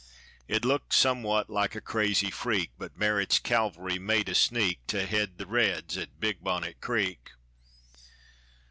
It looked somewhat like a crazy freak, But Merritt's cavalry made a sneak To head the reds at Big Bonnet Creek.